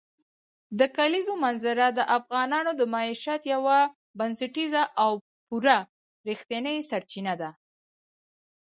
د کلیزو منظره د افغانانو د معیشت یوه بنسټیزه او پوره رښتینې سرچینه ده.